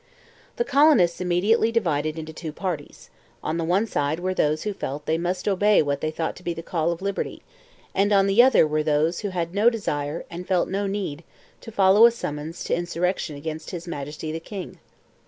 The colonists immediately divided into two parties; on the one side were those who felt that they must obey what they thought to be the call of liberty; on the other were those who had no desire, and felt no need, to follow a summons to insurrection against His Majesty the King.